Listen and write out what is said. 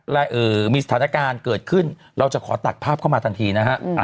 และมีสถานการณ์เกิดขึ้นเราจะขอตัดภาพเข้ามาทันทีนะฮะ